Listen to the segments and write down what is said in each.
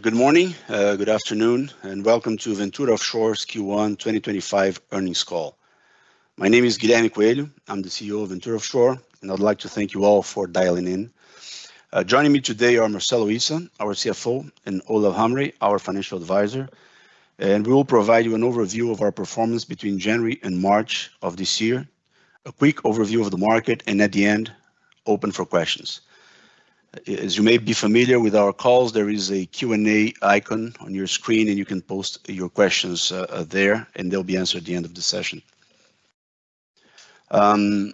Good morning, good afternoon, and welcome to Ventura Offshore's Q1 2025 Earnings Call. My name is Guilherme Coelho. I'm the CEO of Ventura Offshore, and I'd like to thank you all for dialing in. Joining me today are Marcelo Issa, our CFO, and Olav Hamre, our financial advisor. We will provide you an overview of our performance between January and March of this year, a quick overview of the market, and at the end, open for questions. As you may be familiar with our calls, there is a Q&A icon on your screen, and you can post your questions there, and they'll be answered at the end of the session. If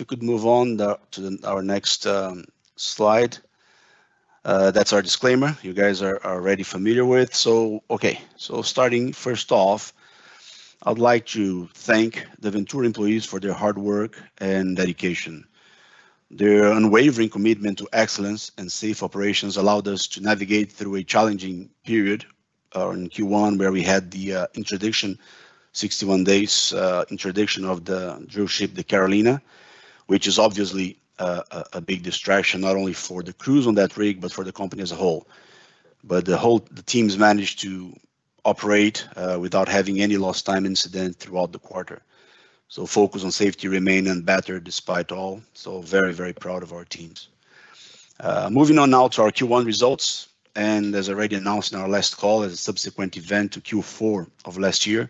we could move on to our next slide, that's our disclaimer you guys are already familiar with. Starting first off, I'd like to thank the Ventura employees for their hard work and dedication. Their unwavering commitment to excellence and safe operations allowed us to navigate through a challenging period in Q1 where we had the interdiction, 61 days interdiction of the drillship, the Carolina, which is obviously a big distraction not only for the crews on that rig but for the company as a whole. The whole teams managed to operate without having any lost time incident throughout the quarter. Focus on safety remained unbattled despite all. Very, very proud of our teams. Moving on now to our Q1 results, and as I already announced in our last call, as a subsequent event to Q4 of last year,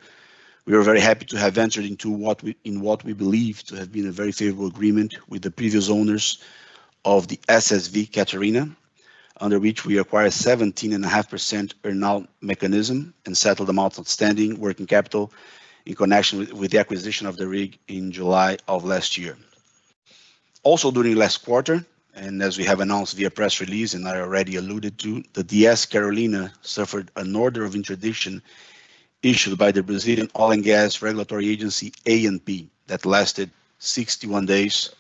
we are very happy to have ventured into what we believe to have been a very favorable agreement with the previous owners of the SSV Catarina, under which we acquired a 17.5% earnout mechanism and settled amounts outstanding working capital in connection with the acquisition of the rig in July of last year. Also, during last quarter, and as we have announced via press release and I already alluded to, the DS Carolina suffered an order of interdiction issued by the Brazilian oil and gas regulatory agency ANP that lasted 61 days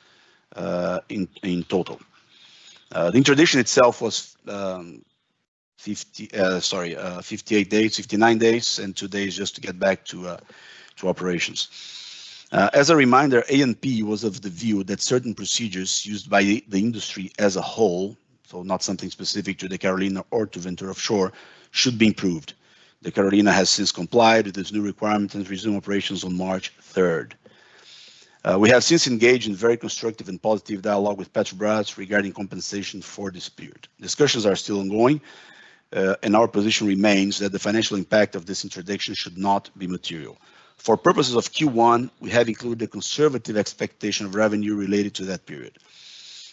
in total. The interdiction itself was, sorry, 58 days, 59 days, and two days just to get back to operations. As a reminder, ANP was of the view that certain procedures used by the industry as a whole, so not something specific to the Carolina or to Ventura Offshore, should be improved. The Carolina has since complied with this new requirement and resumed operations on March 3rd. We have since engaged in very constructive and positive dialogue with Petrobras regarding compensation for this period. Discussions are still ongoing, and our position remains that the financial impact of this interdiction should not be material. For purposes of Q1, we have included a conservative expectation of revenue related to that period.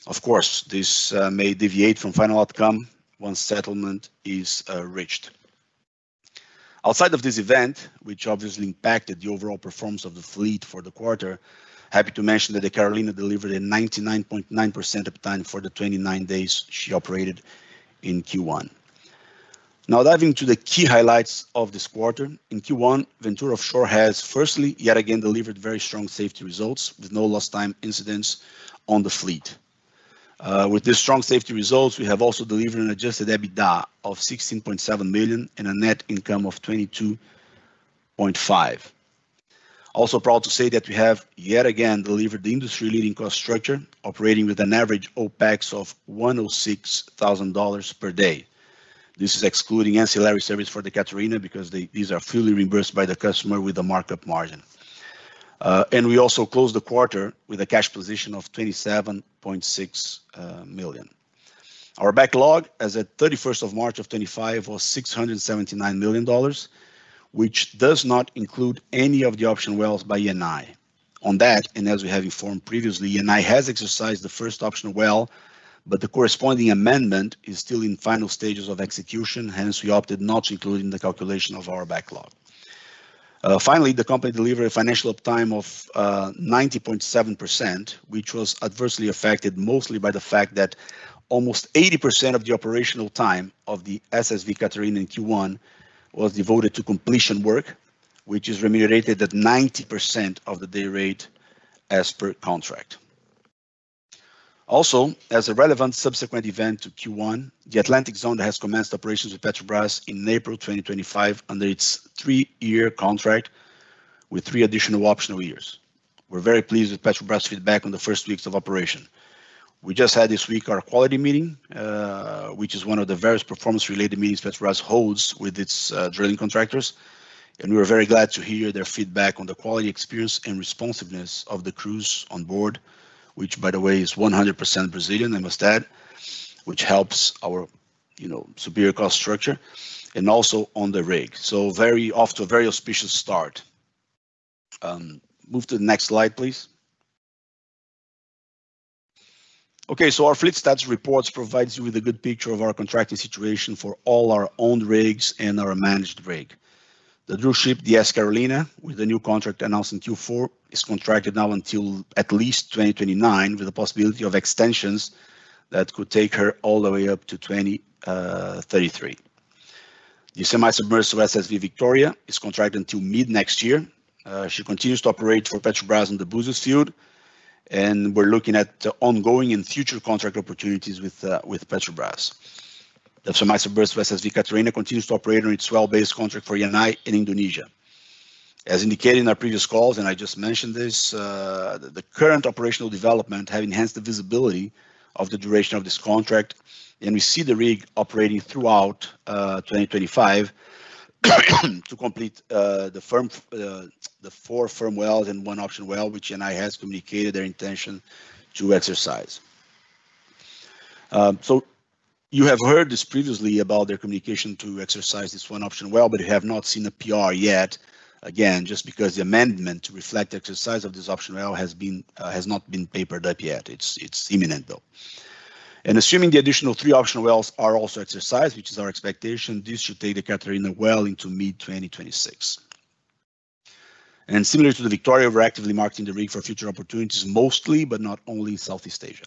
Of course, this may deviate from final outcome once settlement is reached. Outside of this event, which obviously impacted the overall performance of the fleet for the quarter, happy to mention that the Carolina delivered a 99.9% uptime for the 29 days she operated in Q1. Now, diving into the key highlights of this quarter, in Q1, Ventura Offshore has firstly yet again delivered very strong safety results with no lost time incidents on the fleet. With these strong safety results, we have also delivered an adjusted EBITDA of $16.7 million and a net income of $22.5 million. Also proud to say that we have yet again delivered the industry-leading cost structure, operating with an average OpEx of $106,000 per day. This is excluding ancillary service for the Catarina because these are fully reimbursed by the customer with a markup margin. We also closed the quarter with a cash position of $27.6 million. Our backlog as of 31st of March, 2025 was $679 million, which does not include any of the option wells by Eni. On that, and as we have informed previously, Eni has exercised the first option well, but the corresponding amendment is still in final stages of execution. Hence, we opted not to include it in the calculation of our backlog. Finally, the company delivered a financial uptime of 90.7%, which was adversely affected mostly by the fact that almost 80% of the operational time of the SSV Catarina in Q1 was devoted to completion work, which is remunerated at 90% of the day rate as per contract. Also, as a relevant subsequent event to Q1, the Atlantic Zone has commenced operations with Petrobras in April 2025 under its three-year contract with three additional optional years. We're very pleased with Petrobras' feedback on the first weeks of operation. We just had this week our quality meeting, which is one of the various performance-related meetings Petrobras holds with its drilling contractors. We were very glad to hear their feedback on the quality, experience, and responsiveness of the crews on board, which, by the way, is 100% Brazilian, I must add, which helps our superior cost structure and also on the rig. Off to a very auspicious start. Move to the next slide, please. Okay, our fleet stats reports provide you with a good picture of our contracting situation for all our owned rigs and our managed rig. The drillship, the DS Carolina, with the new contract announced in Q4, is contracted now until at least 2029, with the possibility of extensions that could take her all the way up to 2033. The semi-submersible SSV Victoria is contracted until mid-next year. She continues to operate for Petrobras on the Búzios Field, and we're looking at ongoing and future contract opportunities with Petrobras. The semi-submersible SSV Catarina continues to operate on its well-based contract for Eni in Indonesia. As indicated in our previous calls, and I just mentioned this, the current operational development has enhanced the visibility of the duration of this contract, and we see the rig operating throughout 2025 to complete the four firm wells and one option well, which Eni has communicated their intention to exercise. You have heard this previously about their communication to exercise this one option well, but you have not seen a PR yet. Again, just because the amendment to reflect the exercise of this option well has not been papered up yet. It is imminent, though. Assuming the additional three option wells are also exercised, which is our expectation, this should take the Catarina well into mid-2026. Similar to the Victoria, we're actively marketing the rig for future opportunities mostly, but not only in Southeast Asia.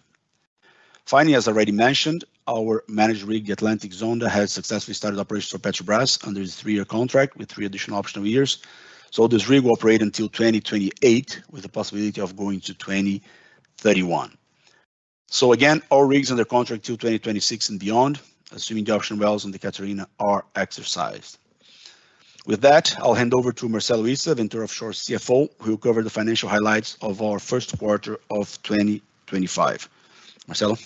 Finally, as I already mentioned, our managed rig, the Atlantic Zone, has successfully started operations for Petrobras under the three-year contract with three additional optional years. This rig will operate until 2028, with the possibility of going to 2031. Again, our rigs are under contract till 2026 and beyond, assuming the option wells on the Catarina are exercised. With that, I'll hand over to Marcelo Issa, Ventura Offshore's CFO, who will cover the financial highlights of our first quarter of 2025. Marcelo.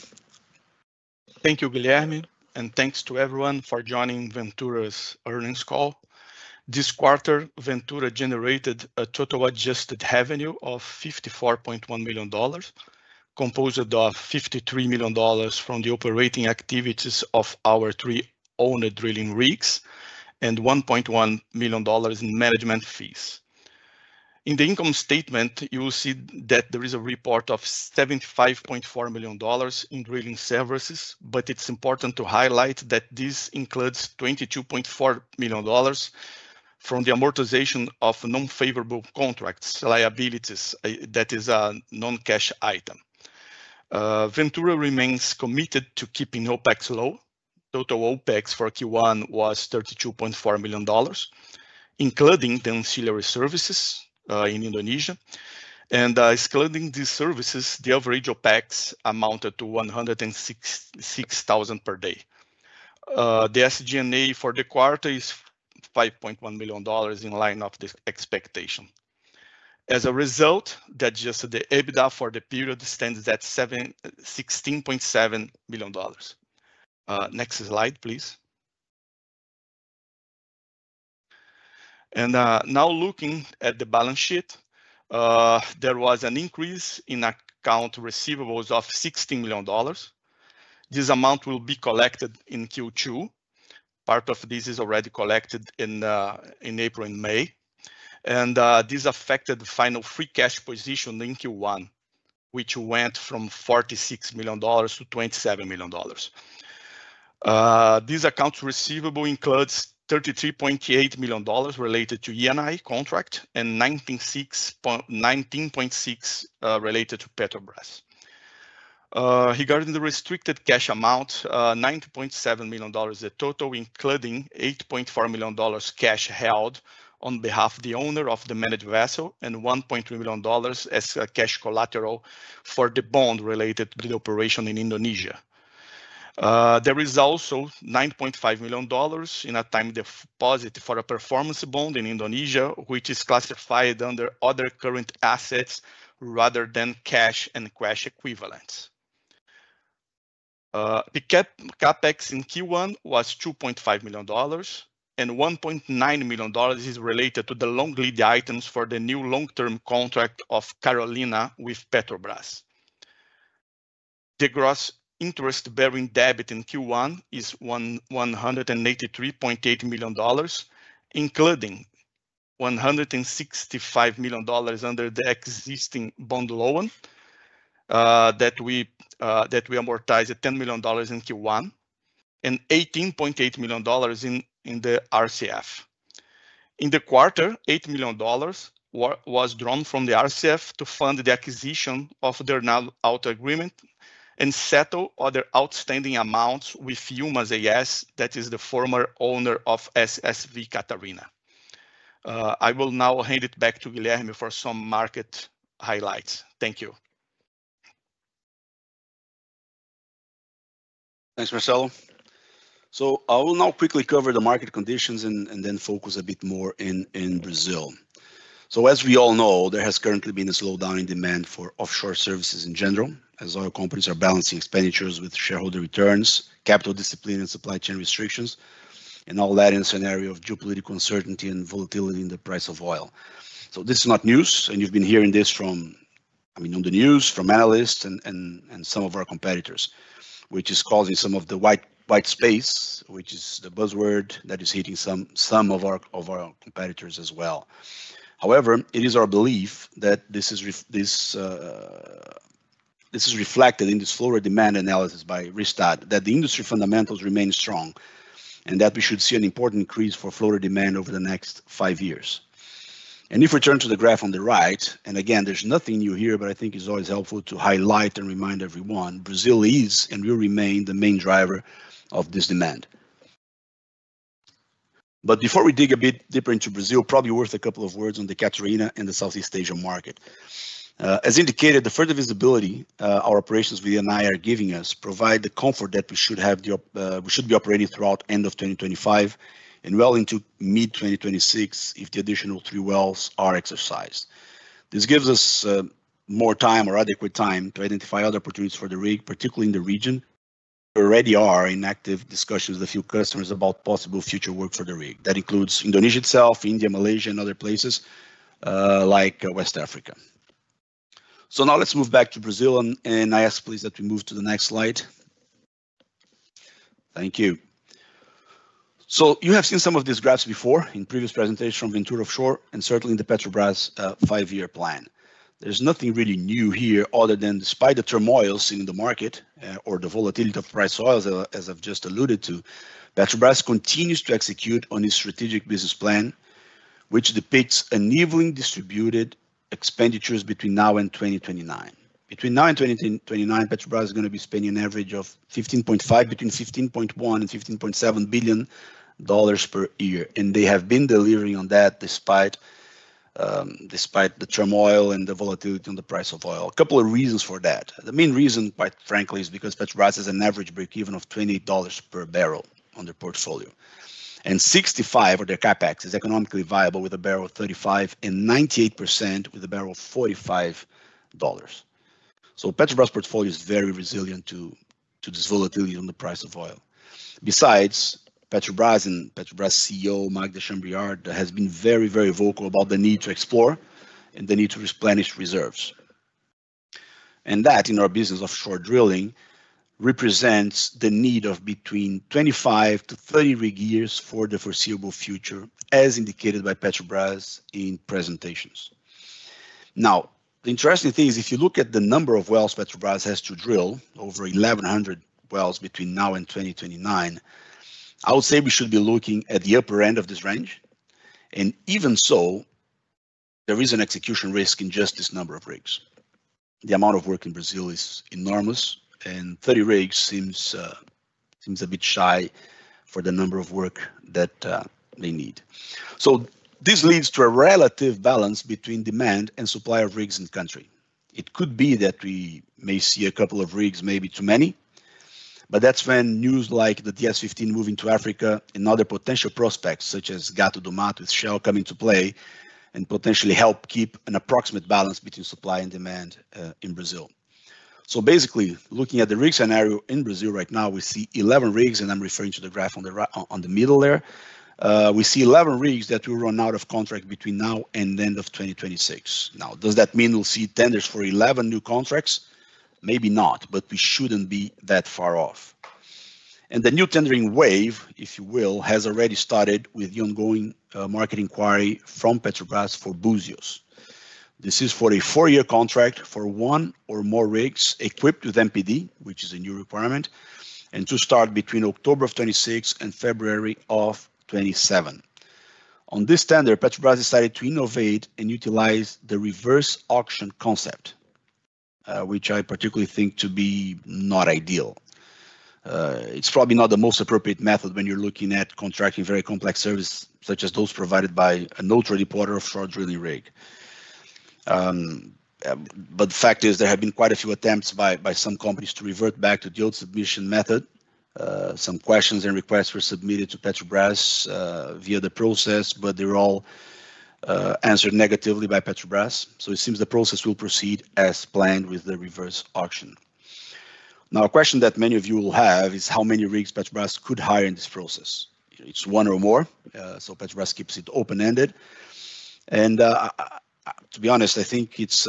Thank you, Guilherme, and thanks to everyone for joining Ventura's earnings call. This quarter, Ventura generated a total adjusted revenue of $54.1 million, composed of $53 million from the operating activities of our three owned drilling rigs and $1.1 million in management fees. In the income statement, you will see that there is a report of $75.4 million in drilling services, but it is important to highlight that this includes $22.4 million from the amortization of non-favorable contracts liabilities, that is a non-cash item. Ventura remains committed to keeping OpEx low. Total OpEx for Q1 was $32.4 million, including the ancillary services in Indonesia. Excluding these services, the average OpEx amounted to $106,000 per day. The SG&A for the quarter is $5.1 million in line with the expectation. As a result, the adjusted EBITDA for the period stands at $16.7 million. Next slide, please. Now looking at the balance sheet, there was an increase in account receivables of $16 million. This amount will be collected in Q2. Part of this is already collected in April and May. This affected the final free cash position in Q1, which went from $46 million-$27 million. These accounts receivable include $33.8 million related to Eni contract and $19.6 million related to Petrobras. Regarding the restricted cash amount, $9.7 million is the total, including $8.4 million cash held on behalf of the owner of the managed vessel and $1.3 million as cash collateral for the bond related to the operation in Indonesia. There is also $9.5 million in a time deposit for a performance bond in Indonesia, which is classified under other current assets rather than cash and cash equivalents. The CapEx in Q1 was $2.5 million, and $1.9 million is related to the long lead items for the new long-term contract of Carolina with Petrobras. The gross interest-bearing debt in Q1 is $183.8 million, including $165 million under the existing bond loan that we amortized at $10 million in Q1 and $18.8 million in the RCF. In the quarter, $8 million was drawn from the RCF to fund the acquisition of the earnout agreement and settle other outstanding amounts with UMAS AS, that is the former owner of SSV Catarina. I will now hand it back to Guilherme for some market highlights. Thank you. Thanks, Marcelo. I will now quickly cover the market conditions and then focus a bit more in Brazil. As we all know, there has currently been a slowdown in demand for offshore services in general, as oil companies are balancing expenditures with shareholder returns, capital discipline, and supply chain restrictions, and all that in a scenario of geopolitical uncertainty and volatility in the price of oil. This is not news, and you've been hearing this from, I mean, on the news, from analysts and some of our competitors, which is causing some of the white space, which is the buzzword that is hitting some of our competitors as well. However, it is our belief that this is reflected in this floor demand analysis by Rystad, that the industry fundamentals remain strong and that we should see an important increase for floor demand over the next five years. If we turn to the graph on the right, and again, there is nothing new here, but I think it is always helpful to highlight and remind everyone, Brazil is and will remain the main driver of this demand. Before we dig a bit deeper into Brazil, probably worth a couple of words on the Catarina and the Southeast Asia market. As indicated, the further visibility our operations with Eni are giving us provides the comfort that we should be operating throughout the end of 2025 and well into mid-2026 if the additional three wells are exercised. This gives us more time or adequate time to identify other opportunities for the rig, particularly in the region. There already are inactive discussions with a few customers about possible future work for the rig. That includes Indonesia itself, India, Malaysia, and other places like West Africa. Now let's move back to Brazil, and I ask, please, that we move to the next slide. Thank you. You have seen some of these graphs before in previous presentations from Ventura Offshore and certainly in the Petrobras five-year plan. There is nothing really new here other than despite the turmoil seen in the market or the volatility of oil prices, as I have just alluded to, Petrobras continues to execute on its strategic business plan, which depicts uneven distributed expenditures between now and 2029. Between now and 2029, Petrobras is going to be spending an average of between $15.1 billion and $15.7 billion per year, and they have been delivering on that despite the turmoil and the volatility on the price of oil. A couple of reasons for that. The main reason, quite frankly, is because Petrobras has an average break-even of $28 per barrel on their portfolio, and 65% of their CapEx is economically viable with a barrel of $35 and 98% with a barrel of $45. Petrobras' portfolio is very resilient to this volatility on the price of oil. Besides, Petrobras and Petrobras CEO, Magda Chambriard, has been very, very vocal about the need to explore and the need to replenish reserves. That, in our business of offshore drilling, represents the need of between 25-30 rig years for the foreseeable future, as indicated by Petrobras in presentations. Now, the interesting thing is if you look at the number of wells Petrobras has to drill, over 1,100 wells between now and 2029, I would say we should be looking at the upper end of this range. Even so, there is an execution risk in just this number of rigs. The amount of work in Brazil is enormous, and 30 rigs seems a bit shy for the amount of work that they need. This leads to a relative balance between demand and supply of rigs in the country. It could be that we may see a couple of rigs, maybe too many, but that's when news like the DS-15 moving to Africa and other potential prospects, such as Gato do Mato with Shell, come into play and potentially help keep an approximate balance between supply and demand in Brazil. Basically, looking at the rig scenario in Brazil right now, we see 11 rigs, and I'm referring to the graph in the middle there. We see 11 rigs that will run out of contract between now and the end of 2026. Now, does that mean we'll see tenders for 11 new contracts? Maybe not, but we shouldn't be that far off. The new tendering wave, if you will, has already started with the ongoing market inquiry from Petrobras for Búzios. This is for a four-year contract for one or more rigs equipped with MPD, which is a new requirement, and to start between October of 2026 and February of 2027. On this tender, Petrobras decided to innovate and utilize the reverse auction concept, which I particularly think to be not ideal. It's probably not the most appropriate method when you're looking at contracting very complex services, such as those provided by an ultra-deepwater offshore drilling rig. The fact is there have been quite a few attempts by some companies to revert back to the old submission method. Some questions and requests were submitted to Petrobras via the process, but they were all answered negatively by Petrobras. It seems the process will proceed as planned with the reverse auction. Now, a question that many of you will have is how many rigs Petrobras could hire in this process. It's one or more, so Petrobras keeps it open-ended. To be honest, I think it's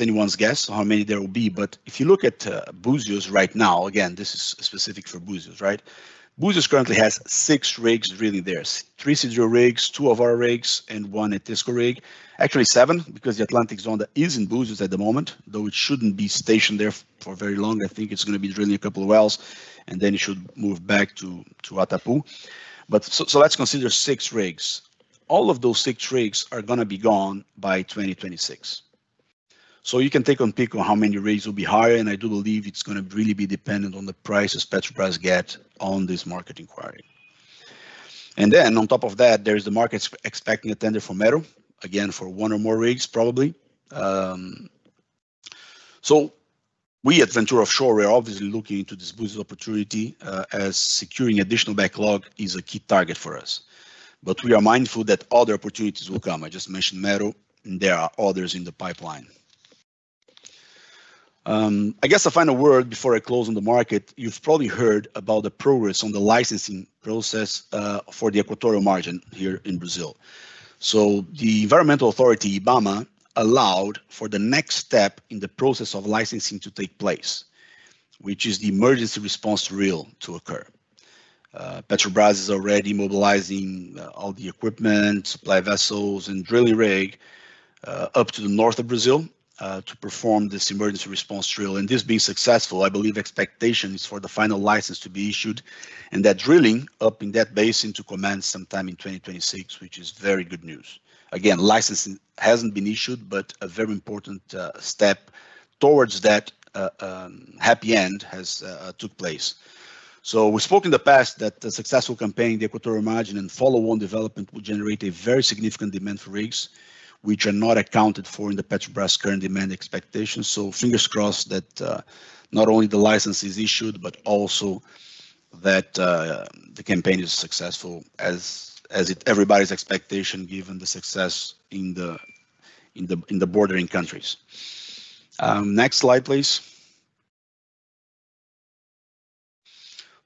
anyone's guess how many there will be. If you look at Búzios right now, again, this is specific for Búzios, right? Búzios currently has six rigs drilling there: three Seadrill rigs, two of our rigs, and one a Transocean rig. Actually, seven, because the Atlantic Zone is in Búzios at the moment, though it shouldn't be stationed there for very long. I think it's going to be drilling a couple of wells, and then it should move back to Atapu. Let's consider six rigs. All of those six rigs are going to be gone by 2026. You can take a peek on how many rigs will be hired, and I do believe it's going to really be dependent on the prices Petrobras gets on this market inquiry. On top of that, there's the market expecting a tender for Mero, again, for one or more rigs, probably. We at Ventura Offshore are obviously looking into this Búzios opportunity as securing additional backlog is a key target for us. We are mindful that other opportunities will come. I just mentioned Mero, and there are others in the pipeline. I guess a final word before I close on the market. You've probably heard about the progress on the licensing process for the Equatorial Margin here in Brazil. The Environmental Authority, IBAMA, allowed for the next step in the process of licensing to take place, which is the emergency response drill to occur. Petrobras is already mobilizing all the equipment, supply vessels, and drilling rig up to the north of Brazil to perform this emergency response drill. This being successful, I believe expectation is for the final license to be issued and that drilling up in that basin to commence sometime in 2026, which is very good news. Again, licensing has not been issued, but a very important step towards that happy end has taken place. We spoke in the past that a successful campaign, the equatorial margin and follow-on development will generate a very significant demand for rigs, which are not accounted for in the Petrobras current demand expectations. Fingers crossed that not only the license is issued, but also that the campaign is successful, as everybody's expectation, given the success in the bordering countries. Next slide, please.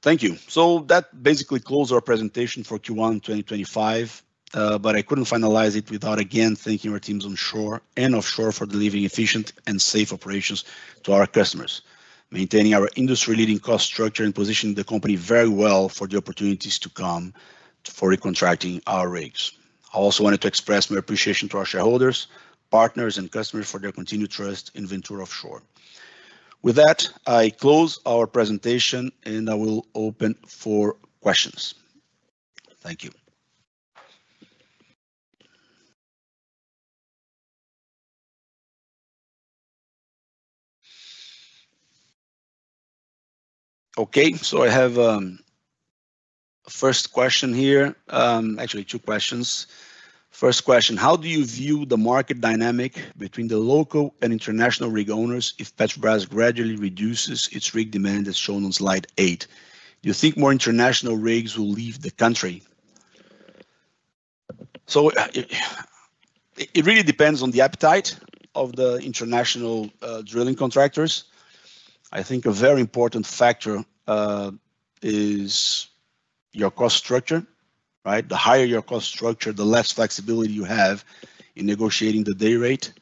Thank you. That basically closed our presentation for Q1 2025, but I could not finalize it without again thanking our teams on shore and offshore for delivering efficient and safe operations to our customers, maintaining our industry-leading cost structure and positioning the company very well for the opportunities to come for recontracting our rigs. I also wanted to express my appreciation to our shareholders, partners, and customers for their continued trust in Ventura Offshore. With that, I close our presentation, and I will open for questions. Thank you. Okay, I have a first question here. Actually, two questions. First question, how do you view the market dynamic between the local and international rig owners if Petrobras gradually reduces its rig demand as shown on slide eight? Do you think more international rigs will leave the country? It really depends on the appetite of the international drilling contractors. I think a very important factor is your cost structure, right? The higher your cost structure, the less flexibility you have in negotiating the day rate.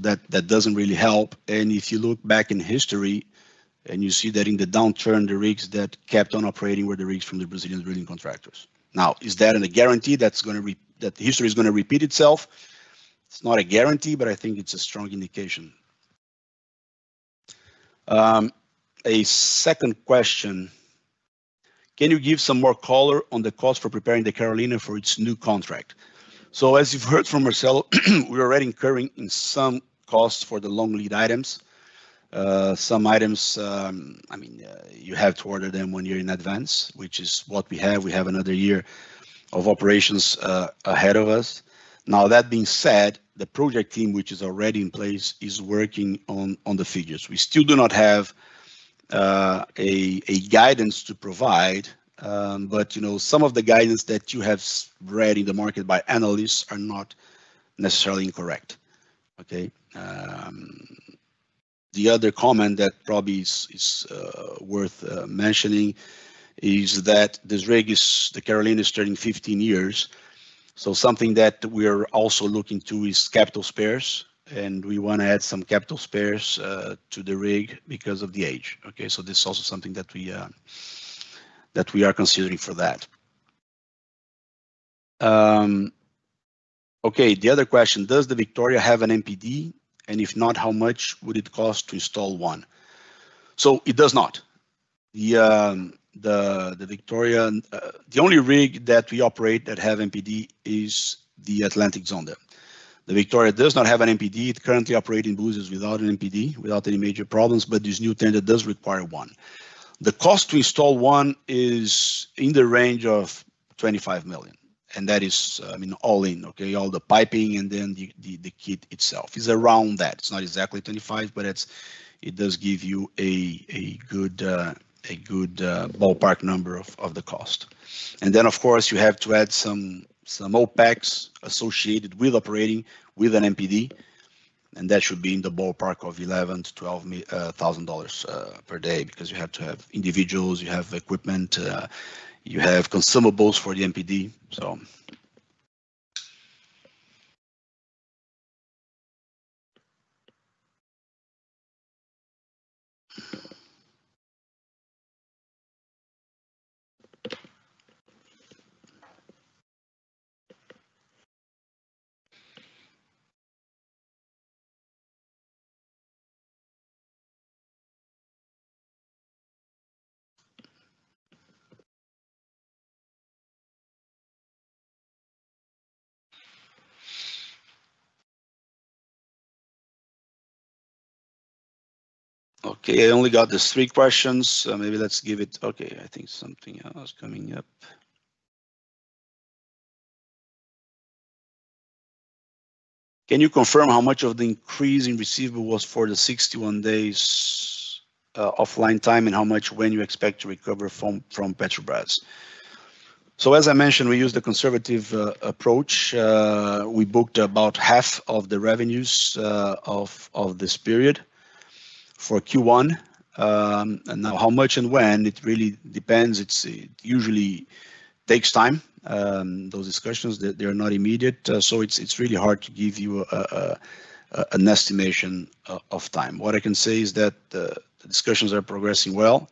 That does not really help. If you look back in history and you see that in the downturn, the rigs that kept on operating were the rigs from the Brazilian drilling contractors. Now, is that a guarantee that the history is going to repeat itself? It is not a guarantee, but I think it is a strong indication. A second question, can you give some more color on the cost for preparing the Carolina for its new contract? As you have heard from Marcelo, we are already incurring in some costs for the long lead items. Some items, I mean, you have to order them when you are in advance, which is what we have. We have another year of operations ahead of us. Now, that being said, the project team, which is already in place, is working on the figures. We still do not have a guidance to provide, but some of the guidance that you have read in the market by analysts are not necessarily incorrect, okay? The other comment that probably is worth mentioning is that this rig is, the Carolina is turning 15 years. Something that we are also looking to is capital spares, and we want to add some capital spares to the rig because of the age, okay? This is also something that we are considering for that. The other question, does the Victoria have an MPD? If not, how much would it cost to install one? It does not. The Victoria, the only rig that we operate that has MPD is the Atlantic Zone. The Victoria does not have an MPD. It currently operates in Búzios without an MPD, without any major problems, but this new tender does require one. The cost to install one is in the range of $25 million, and that is, I mean, all in, okay? All the piping and then the kit itself is around that. It's not exactly 25, but it does give you a good ballpark number of the cost. Then, of course, you have to add some OpEx associated with operating with an MPD, and that should be in the ballpark of $11,000-$12,000 per day because you have to have individuals, you have equipment, you have consumables for the MPD, so. Okay, I only got these three questions. Maybe let's give it, okay, I think something else coming up. Can you confirm how much of the increase in receivable was for the 61 days offline time and how much when you expect to recover from Petrobras? As I mentioned, we used a conservative approach. We booked about half of the revenues of this period for Q1. Now how much and when, it really depends. It usually takes time. Those discussions, they are not immediate, so it's really hard to give you an estimation of time. What I can say is that the discussions are progressing well.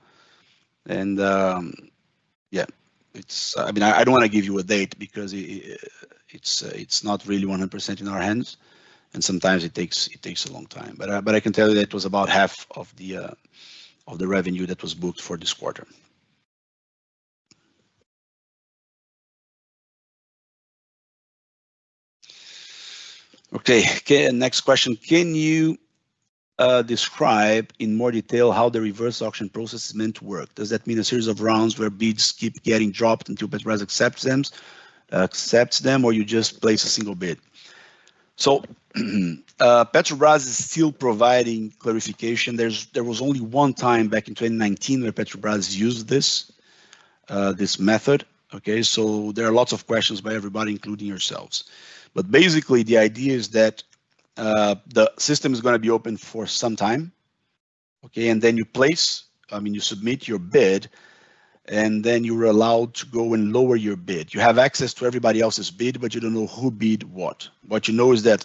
Yeah, I mean, I don't want to give you a date because it's not really 100% in our hands, and sometimes it takes a long time. I can tell you that it was about half of the revenue that was booked for this quarter. Okay, next question. Can you describe in more detail how the reverse auction process is meant to work? Does that mean a series of rounds where bids keep getting dropped until Petrobras accepts them, or you just place a single bid? Petrobras is still providing clarification. There was only one time back in 2019 where Petrobras used this method, okay? There are lots of questions by everybody, including yourselves. Basically, the idea is that the system is going to be open for some time, okay? You place, I mean, you submit your bid, and then you're allowed to go and lower your bid. You have access to everybody else's bid, but you don't know who bid what. What you know is that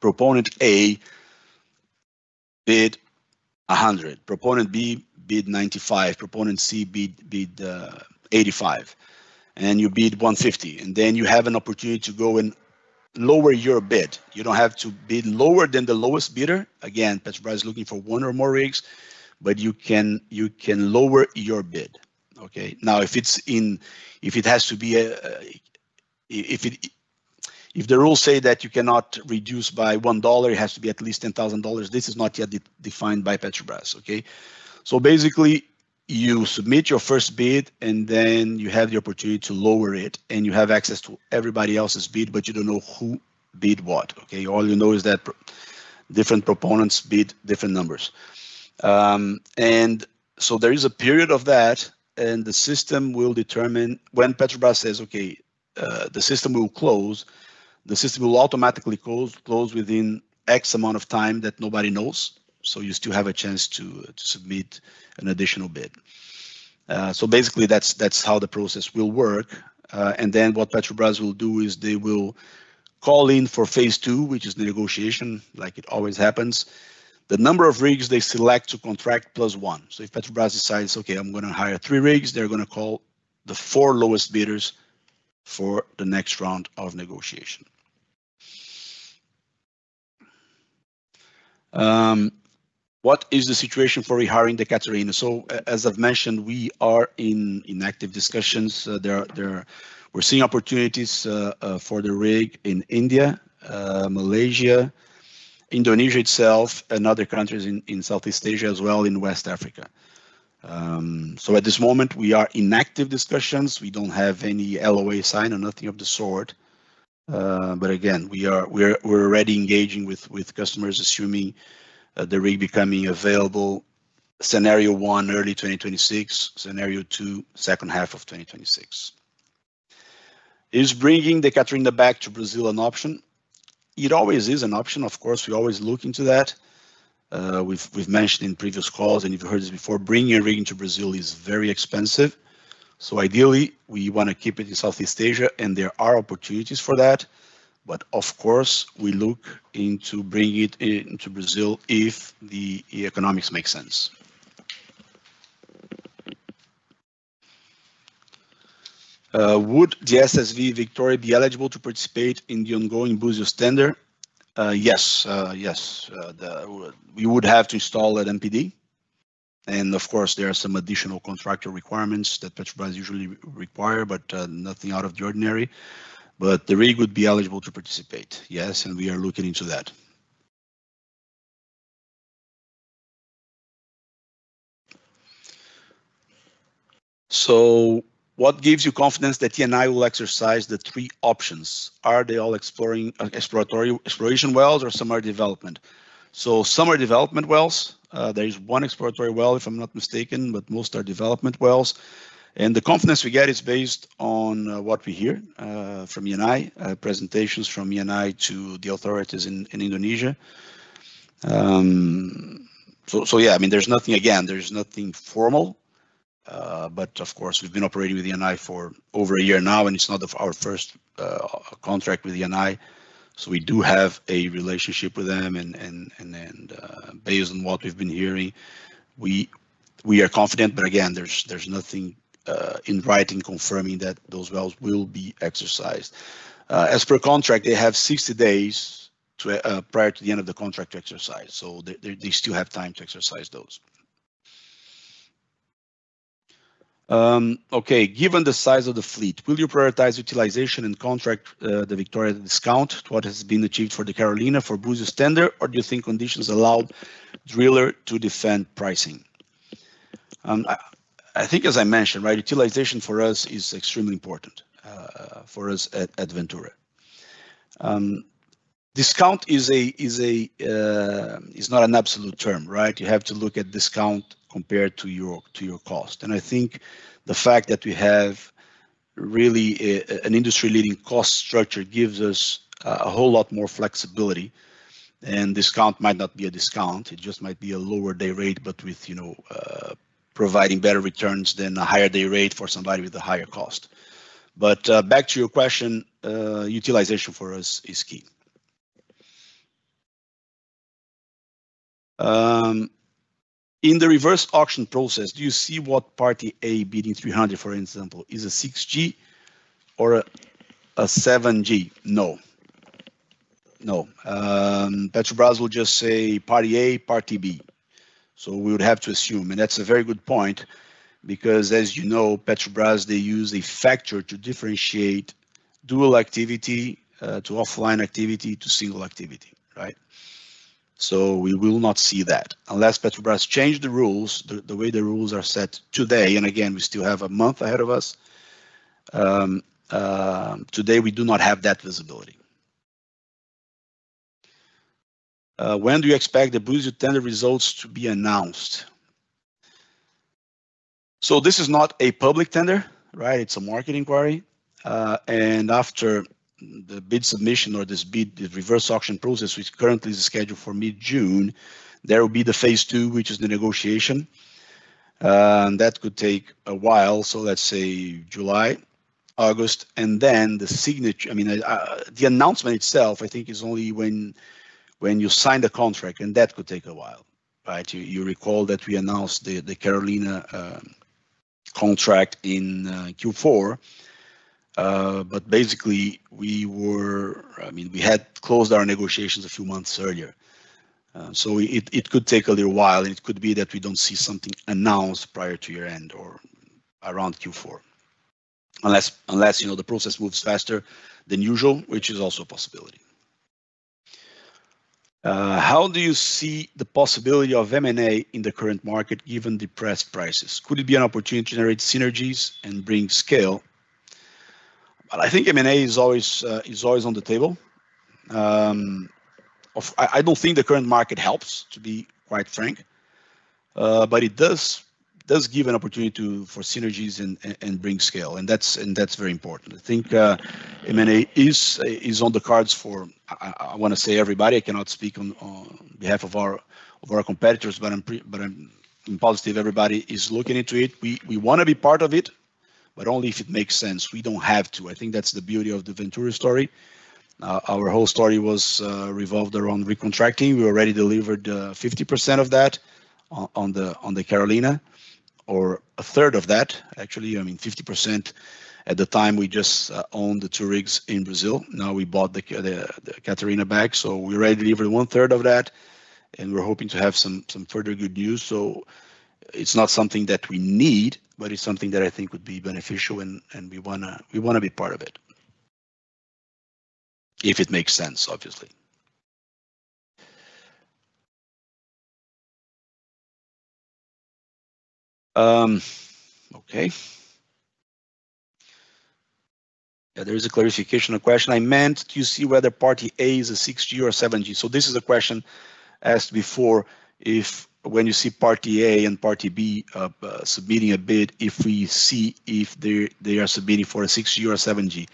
proponent A bid $100, proponent B bid $95, proponent C bid $85, and you bid $150. You have an opportunity to go and lower your bid. You don't have to bid lower than the lowest bidder. Again, Petrobras is looking for one or more rigs, but you can lower your bid, okay? Now, if it has to be a, if the rules say that you cannot reduce by $1, it has to be at least $10,000. This is not yet defined by Petrobras, okay? Basically, you submit your first bid, and then you have the opportunity to lower it, and you have access to everybody else's bid, but you don't know who bid what, okay? All you know is that different proponents bid different numbers. There is a period of that, and the system will determine when Petrobras says, "Okay," the system will close. The system will automatically close within X amount of time that nobody knows, so you still have a chance to submit an additional bid. Basically, that's how the process will work. Then what Petrobras will do is they will call in for phase II, which is the negotiation, like it always happens. The number of rigs they select to contract plus one. If Petrobras decides, "Okay, I'm going to hire three rigs," they're going to call the four lowest bidders for the next round of negotiation. What is the situation for rehiring the Catarina? As I've mentioned, we are in active discussions. We're seeing opportunities for the rig in India, Malaysia, Indonesia itself, and other countries in Southeast Asia as well, in West Africa. At this moment, we are in active discussions. We don't have any LOA signed or anything of the sort. Again, we're already engaging with customers, assuming the rig becoming available, scenario one, early 2026, scenario two, second half of 2026. Is bringing the Catarina back to Brazil an option? It always is an option, of course. We always look into that. We've mentioned in previous calls, and you've heard this before, bringing a rig into Brazil is very expensive. Ideally, we want to keep it in Southeast Asia, and there are opportunities for that. Of course, we look into bringing it into Brazil if the economics make sense. Would the SSV Victoria be eligible to participate in the ongoing Búzios tender? Yes, yes. We would have to install an MPD. Of course, there are some additional contractor requirements that Petrobras usually require, but nothing out of the ordinary. The rig would be eligible to participate, yes, and we are looking into that. What gives you confidence that Eni will exercise the three options? Are they all exploratory exploration wells or some are development? Some are development wells, there's one exploratory well, if I'm not mistaken, but most are development wells. The confidence we get is based on what we hear from Eni, presentations from Eni to the authorities in Indonesia. Yeah, I mean, there's nothing, again, there's nothing formal. Of course, we've been operating with Eni for over a year now, and it's not our first contract with Eni. We do have a relationship with them, and based on what we've been hearing, we are confident. Again, there's nothing in writing confirming that those wells will be exercised. As per contract, they have 60 days prior to the end of the contract to exercise. They still have time to exercise those. Okay, given the size of the fleet, will you prioritize utilization and contract the Victoria discount to what has been achieved for the Carolina for Búzios tender, or do you think conditions allow driller to defend pricing? I think, as I mentioned, utilization for us is extremely important for us at Ventura. Discount is not an absolute term, right? You have to look at discount compared to your cost. I think the fact that we have really an industry-leading cost structure gives us a whole lot more flexibility. Discount might not be a discount; it just might be a lower day rate, but with providing better returns than a higher day rate for somebody with a higher cost. Back to your question, utilization for us is key. In the reverse auction process, do you see what party A bidding 300, for example, is a 6G or a 7G? No. No. Petrobras will just say party A, party B. We would have to assume. That is a very good point because, as you know, Petrobras, they use a factor to differentiate dual activity to offline activity to single activity, right? We will not see that unless Petrobras changes the rules, the way the rules are set today. Again, we still have a month ahead of us. Today, we do not have that visibility. When do you expect the Búzios tender results to be announced? This is not a public tender, right? It is a market inquiry. After the bid submission or this bid, the reverse auction process, which currently is scheduled for mid-June, there will be phase II, which is the negotiation. That could take a while. Let's say July, August, and then the signature, I mean, the announcement itself, I think, is only when you sign the contract, and that could take a while, right? You recall that we announced the Carolina contract in Q4, but basically, we had closed our negotiations a few months earlier. It could take a little while, and it could be that we do not see something announced prior to year-end or around Q4, unless the process moves faster than usual, which is also a possibility. How do you see the possibility of M&A in the current market given the price prices? Could it be an opportunity to generate synergies and bring scale? M&A is always on the table. I do not think the current market helps, to be quite frank, but it does give an opportunity for synergies and bring scale, and that is very important. M&A is on the cards for, I want to say, everybody. I cannot speak on behalf of our competitors, but I am positive everybody is looking into it. We want to be part of it, but only if it makes sense. We do not have to. I think that's the beauty of the Ventura story. Our whole story revolved around recontracting. We already delivered 50% of that on the Carolina or a third of that, actually. I mean, 50% at the time, we just owned the two rigs in Brazil. Now we bought the Catarina back. So we already delivered one-third of that, and we're hoping to have some further good news. It's not something that we need, but it's something that I think would be beneficial, and we want to be part of it if it makes sense, obviously. Okay. Yeah, there is a clarification of question. I meant, do you see whether party A is a 6G or a 7G? This is a question asked before if when you see party A and party B submitting a bid, if we see if they are submitting for a 6G or a 7G.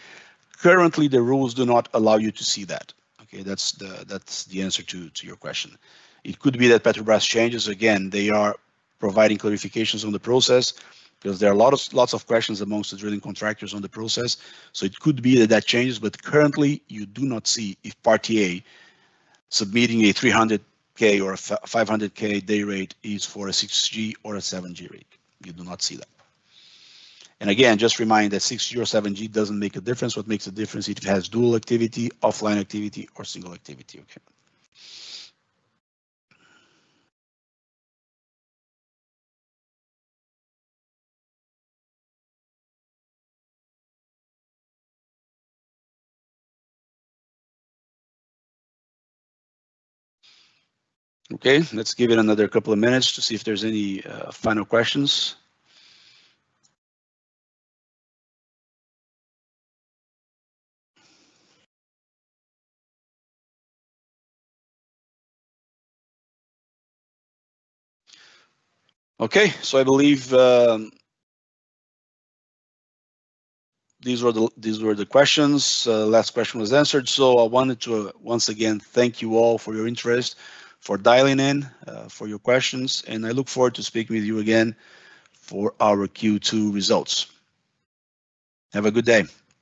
Currently, the rules do not allow you to see that. Okay, that's the answer to your question. It could be that Petrobras changes. Again, they are providing clarifications on the process because there are lots of questions amongst the drilling contractors on the process. It could be that that changes, but currently, you do not see if party A submitting a $300,000 or a $500,000 day rate is for a 6G or a 7G rate. You do not see that. Again, just remind that 6G or 7G doesn't make a difference. What makes a difference is if it has dual activity, offline activity, or single activity, okay? Okay, let's give it another couple of minutes to see if there's any final questions. Okay, I believe these were the questions. Last question was answered. I wanted to once again thank you all for your interest, for dialing in, for your questions, and I look forward to speaking with you again for our Q2 results. Have a good day.